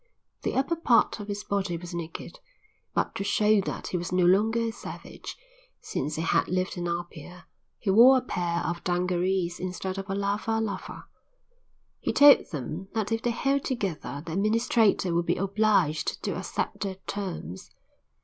The upper part of his body was naked, but to show that he was no longer a savage, since he had lived in Apia, he wore a pair of dungarees instead of a lava lava. He told them that if they held together the administrator would be obliged to accept their terms.